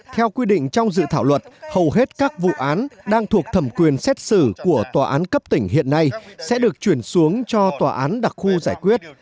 theo quy định trong dự thảo luật hầu hết các vụ án đang thuộc thẩm quyền xét xử của tòa án cấp tỉnh hiện nay sẽ được chuyển xuống cho tòa án đặc khu giải quyết